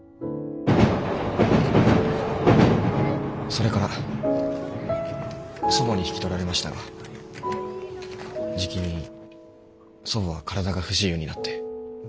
それから祖母に引き取られましたがじきに祖母は体が不自由になって。